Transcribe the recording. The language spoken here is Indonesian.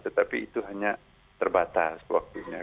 tetapi itu hanya terbatas waktunya